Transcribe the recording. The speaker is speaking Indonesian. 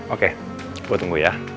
oke gue tunggu ya